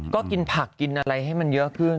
ก็กินผักกินอะไรให้มันเยอะขึ้น